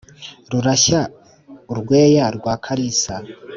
rurashya u rweya rwa kalisa